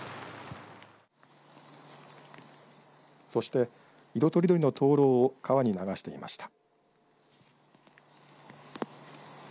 そして色とりどりの灯籠を川に流していました。